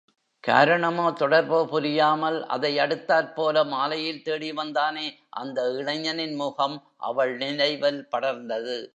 காரணமோ, தொடர்போ புரியாமல், அதை யடுத்தாற்போல மாலையில் தேடிவந்தானே, அந்த இளைஞனின் முகம் அவள் நினைவில் படர்ந்தது.